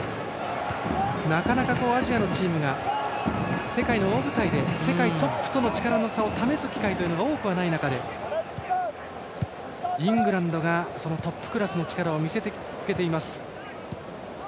なかなかアジアのチームが世界の大舞台で世界トップとの力の差を試す機会が多くない中でイングランドがそのトップクラスの力を見せ付けています。